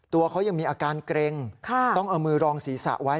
ตัวเขายังมีอาการเกร็งต้องเอามือรองศีรษะไว้